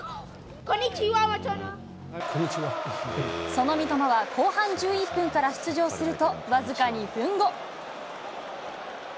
その三笘は後半１１分から出場すると、僅か２分後。